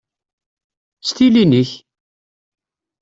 S tilin-ik!